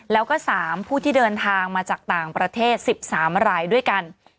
แล้วก็๓ผู้ที่เดินทางมาจากต่างประเทศ๑๓รายด้วยกัน